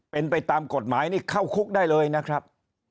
เป็นไปตามกฎหมายนี่เข้าคุกได้เลยนะครับ